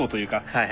はい。